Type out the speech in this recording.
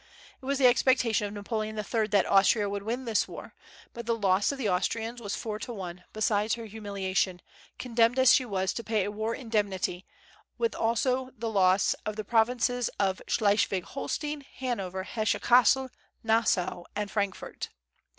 It was the expectation of Napoleon III that Austria would win in this war; but the loss of the Austrians was four to one, besides her humiliation, condemned as she was to pay a war indemnity, with the loss also of the provinces of Schleswig Holstein, Hanover, Hesse Cassel, Nassau, and Frankfort.